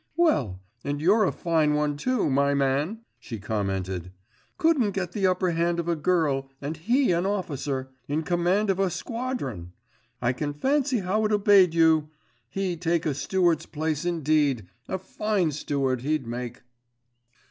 'Well, and you're a fine one, too, my man!' she commented. 'Couldn't get the upper hand of a girl, and he an officer! In command of a squadron! I can fancy how it obeyed you! He take a steward's place indeed! a fine steward he'd make!